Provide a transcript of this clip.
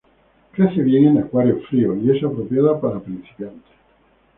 Crece bien en acuarios fríos, y es apropiada para principiantes.